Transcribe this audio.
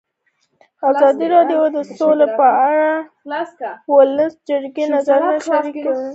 ازادي راډیو د سوله په اړه د ولسي جرګې نظرونه شریک کړي.